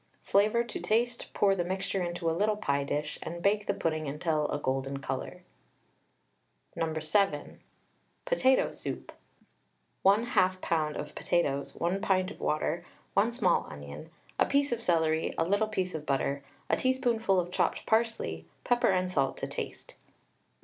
Flavour to taste, pour the mixture into a little pie dish, and bake the pudding until a golden colour. No. 7. POTATO SOUP. 1/2 lb. of potatoes, 1 pint of water, 1 small onion, a piece of celery, a little piece of butter, a teaspoonful of chopped parsley, pepper and salt to taste.